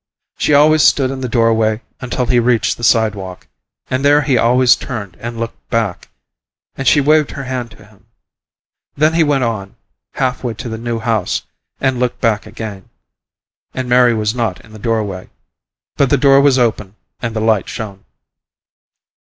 She always stood in the doorway until he reached the sidewalk, and there he always turned and looked back, and she waved her hand to him. Then he went on, halfway to the New House, and looked back again, and Mary was not in the doorway, but the door was open and the light shone.